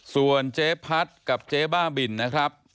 ส่วนเจ๊พัดกับเจ๊บ้าบินนะครับ